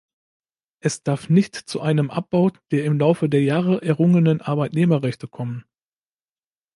Es darf nicht zu einem Abbau der im Laufe der Jahre errungenen Arbeitnehmerrechte kommen.